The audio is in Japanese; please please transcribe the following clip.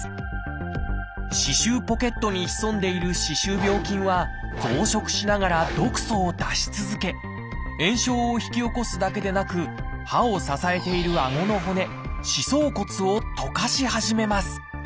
歯周ポケットに潜んでいる歯周病菌は増殖しながら毒素を出し続け炎症を引き起こすだけでなく歯を支えているあごの骨「歯槽骨」をとかし始めます。